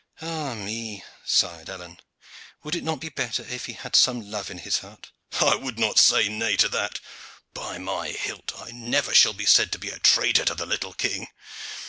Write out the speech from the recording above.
"Ah me!" sighed Alleyne. "Would it not be better if he had some love in his heart?" "I would not say nay to that. By my hilt! I shall never be said to be traitor to the little king.